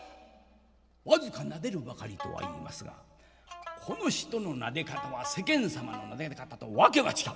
僅かなでるばかりとは言いますがこの人のなで方は世間様のなで方と訳が違う。